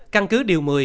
căn cứ điều một mươi